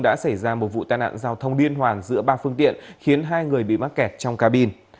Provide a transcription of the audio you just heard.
đã xảy ra một vụ tai nạn giao thông liên hoàn giữa ba phương tiện khiến hai người bị mắc kẹt trong cabin